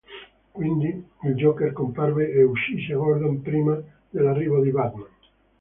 Quindi, il Joker comparve e uccise Gordon prima dell'arrivo di Batman.